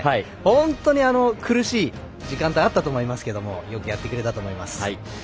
本当に苦しい時間帯あったと思いますけどよくやってくれたと思います。